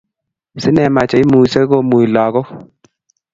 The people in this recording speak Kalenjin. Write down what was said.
Sinema che imuisei komui lagok